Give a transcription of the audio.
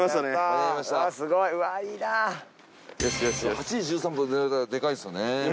８時１３分の乗れたらでかいっすよね。